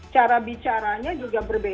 cara bicaranya juga tidak terlalu baik